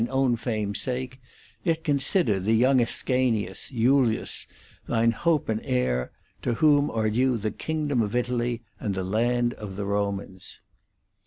EPISTOLA VII 103 own fame's sake, yet consider the young Ascanius, Iulus thine hope and heir, to whom are due the kingdom of Italy and the land of the Komans \§ 5.